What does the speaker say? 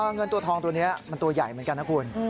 เงินตัวทองตัวนี้มันตัวใหญ่เหมือนกันนะคุณ